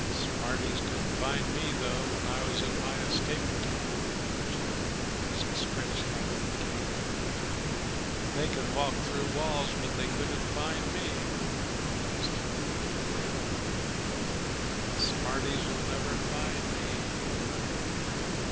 "Smarties couldn't find me though, when I was in my escape tunnel," he chortled, as he stretched out in the cave under the concrete. "They can walk through walls, but they couldn't find me." Then his tone became baleful. "The smarties'll never find me."